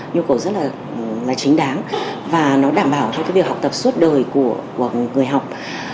nhu cầu rất là chính đáng và nó đảm bảo cho cái việc học tập suốt đời của người học